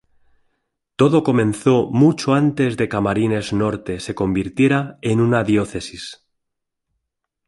Todo comenzó mucho antes de Camarines Norte se convirtiera en una diócesis.